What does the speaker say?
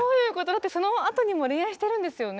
だってそのあとにも恋愛してるんですよね